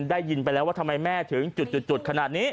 ได้ยินไปแล้วว่าทำไมแม่ถึงจุดขนาดนี้